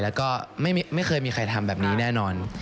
แล้วก็ไม่เคยมีใครทำแบบนี้แน่นอน